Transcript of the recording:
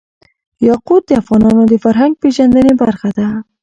یاقوت د افغانانو د فرهنګ پیژندني برخه ده.